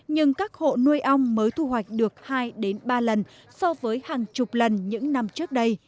nhưng các hộ nuôi ong mới thu hoạch được hai ba lần so với hàng chục lần những năm trước đây